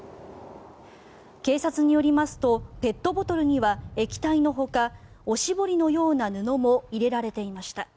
警察によりますとペットボトルには液体のほかおしぼりのような布も入れられていました。